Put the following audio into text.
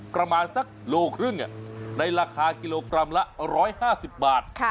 ประมาณสักโลครึ่งในราคากิโลกรัมละ๑๕๐บาท